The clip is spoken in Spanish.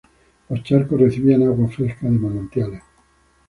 Los charcos recibían agua fresca de manantiales.